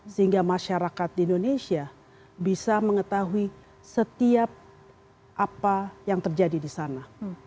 sehingga masyarakat di indonesia bisa mengetahui setiap apa yang terjadi di sana